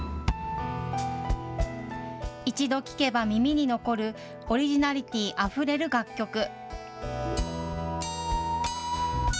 一度聞けば耳に残るオリジナリティーあふれる楽曲。